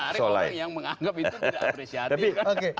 saya menganggap orang yang menganggap itu tidak apresiatif